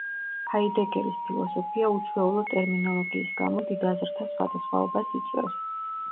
ჰაიდეგერის ფილოსოფია უჩვეულო ტერმინოლოგიის გამო დიდ აზრთა სხვადასხვაობას იწვევს.